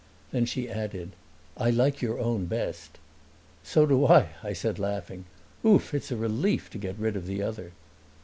Then she added, "I like your own best." "So do I," I said, laughing. "Ouf! it's a relief to get rid of the other."